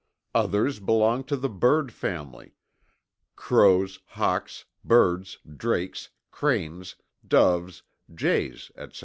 Others belonged to the bird family Crows, Hawks, Birds, Drakes, Cranes, Doves, Jays, etc.